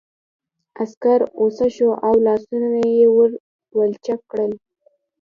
عسکر غوسه شو او لاسونه یې ور ولچک کړل